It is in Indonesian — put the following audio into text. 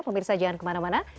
pemirsa jangan kemana mana